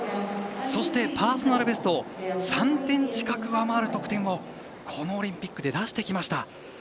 そして、パーソナルベストを３点近く上回る得点をこのオリンピックで出してきました。